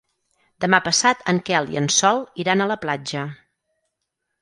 Demà passat en Quel i en Sol iran a la platja.